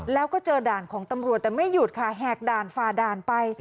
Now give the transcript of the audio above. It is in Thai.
แล้วก็เจอด่านของตำรวจแต่ไม่หยุดค่ะแหกด่านฝ่าด่านไป